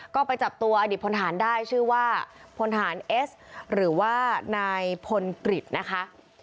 ก็ไปจับตัวอดีตพลฐานได้ชื่อว่าพลฐานเอสหรือว่านายพลกฤษนะคะ